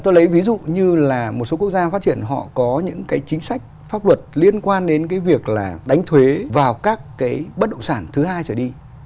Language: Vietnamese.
tôi lấy ví dụ như là một số quốc gia phát triển họ có những cái chính sách pháp luật liên quan đến cái việc là đánh thuế vào các cái bất động sản thứ hai trở đi